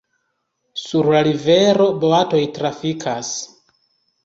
Sur la rivero boatoj trafikas.